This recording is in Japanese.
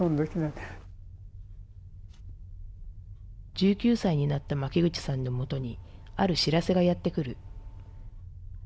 １９歳になった巻口さんのもとに、ある知らせがやって来る。